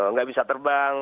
nggak bisa terbang